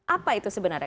apa itu sebenarnya